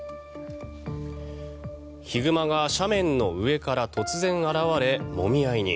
ヒグマが斜面の上から突然現れもみ合いに。